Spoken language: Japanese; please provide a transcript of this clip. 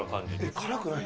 辛くない？